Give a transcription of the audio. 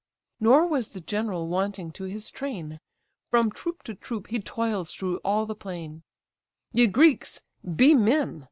Nor was the general wanting to his train; From troop to troop he toils through all the plain, "Ye Greeks, be men!